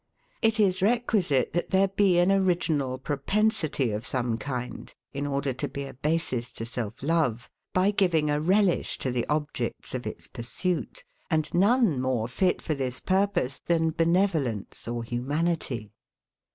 It is requisite that there be an original propensity of some kind, in order to be a basis to self love, by giving a relish to the objects of its pursuit; and none more fit for this purpose than benevolence or humanity.